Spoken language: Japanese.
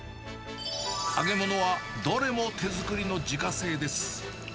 揚げ物はどれも手作りの自家製です。